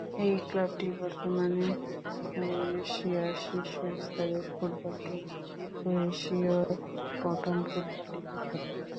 এই ক্লাবটি বর্তমানে ক্রোয়েশিয়ার শীর্ষ স্তরের ফুটবল লীগ ক্রোয়েশীয় প্রথম ফুটবল লীগে খেলে।